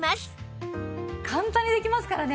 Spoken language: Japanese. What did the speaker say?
簡単にできますからね。